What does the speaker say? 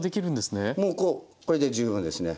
もうこれで十分ですね。